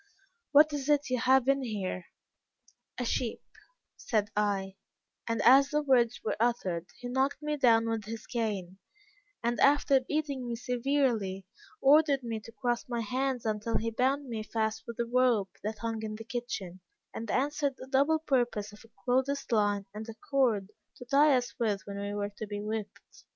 'What is it you have in here?' 'A sheep,' said I, and as the words were uttered, he knocked me down with his cane, and after beating me severely, ordered me to cross my hands until he bound me fast with a rope that hung in the kitchen, and answered the double purpose of a clothes line and a cord to tie us with when we were to be whipped.